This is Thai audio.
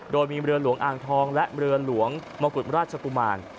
โดยมีเรือหลวงอ่างทองและเรือหลวงมกุฎราชกุมาร